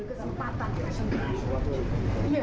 pembalasan juga hanya di nanti di akhir